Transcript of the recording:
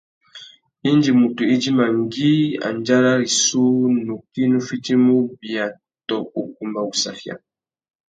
Indi mutu idjima ngüi andjara rissú, nukí nù fitimú ubia tô ukumba wussafia.